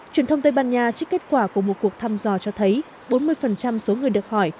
truyền thông tây ban nha trích kết quả của một cuộc thăm dò cho thấy bốn mươi số người được hỏi